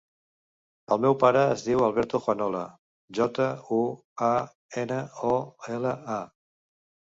El meu pare es diu Alberto Juanola: jota, u, a, ena, o, ela, a.